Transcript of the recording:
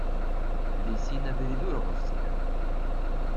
Deg sin abrid ur ɣezzif.